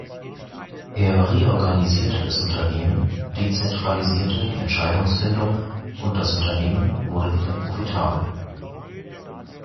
Er reorganisierte das Unternehmen, dezentralisierte die Entscheidungsfindung und das Unternehmen wurde wieder profitabel.